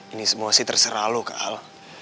ini semua sih terserah lo kal